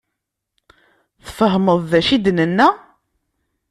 Tfehmeḍ d acu i d-nenna?